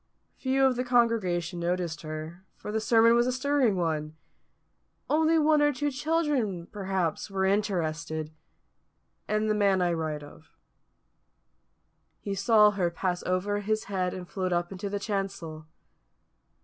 Few of the congregation noticed her, for the sermon was a stirring one; only one or two children, perhaps, were interested and the man I write of. He saw her pass over his head and float up into the chancel.